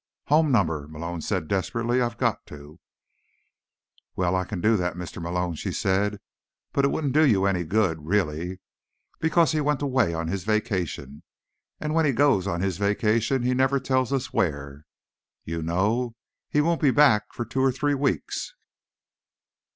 "Home number," Malone said desperately. "I've got to." "Well, I can do that, Mr. Malone," she said, "but it wouldn't do you any good, really. Because he went away on his vacation, and when he goes on his vacation he never tells us where. You know? He won't be back for two or three weeks."